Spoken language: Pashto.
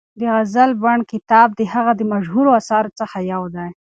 د غزل بڼ کتاب د هغه د مشهورو اثارو څخه یو دی.